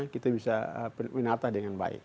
kita bisa menata dengan baik